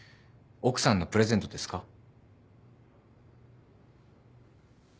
奥さんのプレゼントですか？